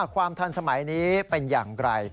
ความทันสมัยนี้เป็นอย่างไร